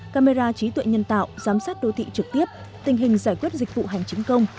camera trí tuệ nhân tạo giám sát đô thị trực tiếp tình hình giải quyết dịch vụ hành chính công